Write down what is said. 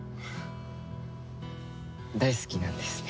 大好きなんですね